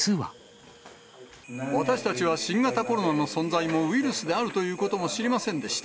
私たちは、新型コロナの存在もウイルスであるということも知りませんでした。